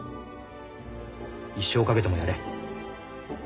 一生懸けてもやれ。